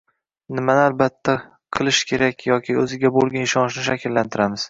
Nimani albatta qilish kerak yoki o‘ziga bo‘lgan ishonchni shakllantiramiz